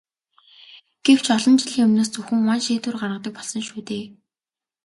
Гэвч олон жилийн өмнөөс зөвхөн ван шийдвэр гаргадаг болсон шүү дээ.